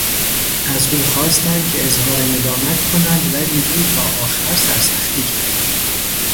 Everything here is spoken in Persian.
از او خواستند که اظهار ندامت کند ولی او تا آخر سرسختی کرد.